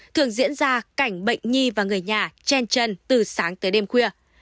thường diễn ra cảnh bệnh nhi và người nhà chen chân từ sáng tới đêm khuya